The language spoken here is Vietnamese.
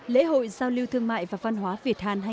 lễ hội giao lưu thương mại và văn hóa việt hàn